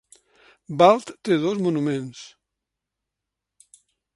Bald té dos monuments.